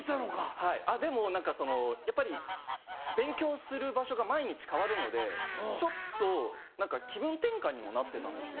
はいあっでも何かそのやっぱり勉強する場所が毎日変わるのでちょっと気分転換にもなってたんですよ。